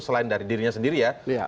selain dari dirinya sendiri ya